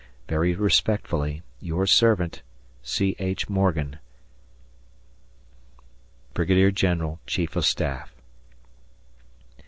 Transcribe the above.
Very respectfully, Your servant, C. H. Morgan, Bat. Brig. Genl. Chief of Staff.